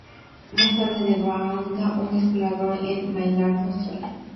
Más tarde devenga un explorador en mainland Australia.